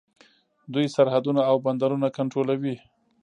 دوی سرحدونه او بندرونه کنټرولوي.